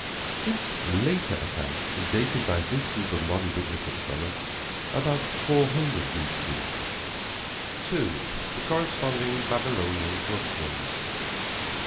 This later account is dated by this group of modern Biblical scholars about 400 B.C. II. THE CORRESPONDING BABYLONIAN FLOOD STORIES.